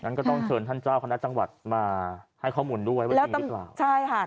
ก็ต้องเชิญท่านเจ้าคณะจังหวัดมาให้ข้อมูลด้วยว่าจริงหรือเปล่าใช่ค่ะ